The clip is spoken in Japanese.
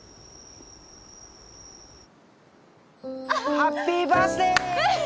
ハッピーバースデー！